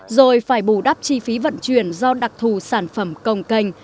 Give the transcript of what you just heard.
rồi phải bù đắp chi phí vận chuyển do đặc thù sản phẩm công kênh